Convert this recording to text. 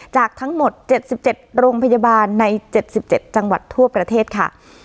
จากทั้งหมด๗๗โรงพยาบาลใน๗๗จังหวัดทั่วประเทศค่ะ